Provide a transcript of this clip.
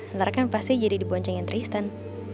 ntar kan pasti jadi di poncengin tristan